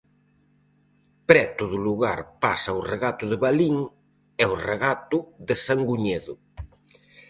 Preto do lugar pasa o regato de Balín e o regato de Sanguñedo.